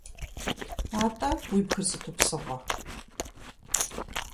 АтӀэ, уи бгыр сыту псыгъуэ?